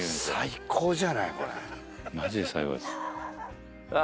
最高じゃないこれマジで最高ですあ